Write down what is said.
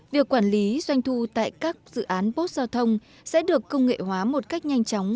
việc quản lý doanh thu tại các dự án post giao thông sẽ được công nghệ hóa một cách nhanh chóng